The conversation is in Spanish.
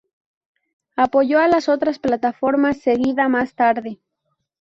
Apoyó a las otras plataformas seguida más tarde.